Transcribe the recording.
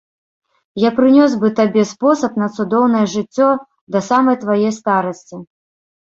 Я прынёс бы табе спосаб на цудоўнае жыццё да самай твае старасці.